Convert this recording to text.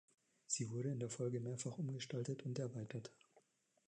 Sie wurde in der Folge mehrfach umgestaltet und erweitert.